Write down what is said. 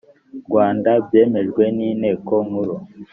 rwanda byemejwe n inteko nkuru